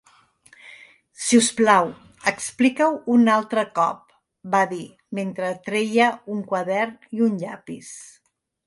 "Si us plau, explica-ho un altre cop", va dir, mentre treia un quadern i un llapis.